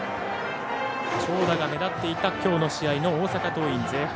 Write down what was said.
長打が目立っていたきょうの試合の大阪桐蔭、前半。